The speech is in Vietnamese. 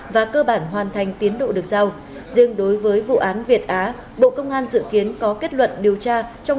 và cơ bản hoàn thành tiến hành điều tra